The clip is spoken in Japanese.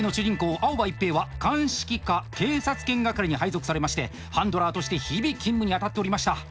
青葉一平は鑑識課警察犬係に配属されましてハンドラーとして日々勤務に当たっておりました。